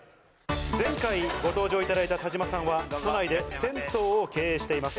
前回ご登場いただいた田島さんは都内で銭湯を経営しています。